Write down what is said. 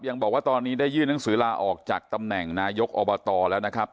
บอกว่าตอนนี้ได้ยื่นหนังสือลาออกจากตำแหน่งนายกอบตแล้วนะครับ